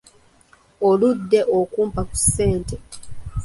Oludde okumpa ku ssente.